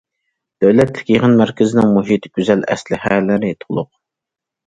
دۆلەتلىك يىغىن مەركىزىنىڭ مۇھىتى گۈزەل، ئەسلىھەلىرى تولۇق.